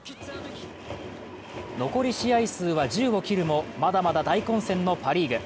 残り試合数は１０を切るもまだまだ大混戦のパ・リーグ。